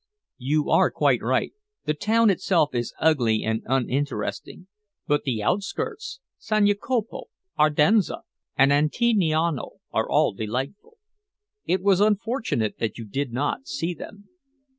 "You are quite right. The town itself is ugly and uninteresting. But the outskirts San Jacopo, Ardenza and Antigniano are all delightful. It was unfortunate that you did not see them.